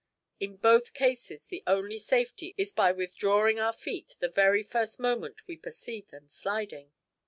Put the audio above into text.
In both cases the only safety is by withdrawing our feet the very first moment we perceive them sliding.